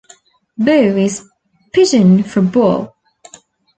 Bu is pidgin for "Bull".